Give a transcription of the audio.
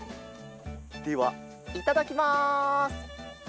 ではいただきます！